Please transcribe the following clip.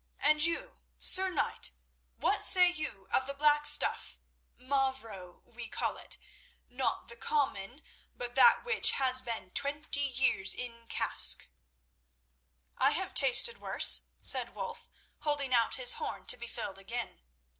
And you, Sir Knight, what say you of the black stuff—'Mavro,' we call it—not the common, but that which has been twenty years in cask?" "I have tasted worse," said Wulf, holding out his horn to be filled again.